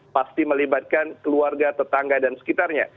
pasti melibatkan keluarga tetangga dan sekitarnya